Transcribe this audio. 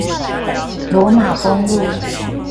羅馬公路